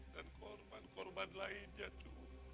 dan korban korban lainnya cu